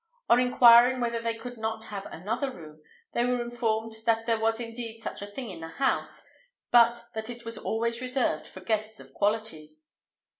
On inquiring whether they could not have another room, they were informed that there was indeed such a thing in the house, but that it was always reserved for guests of quality.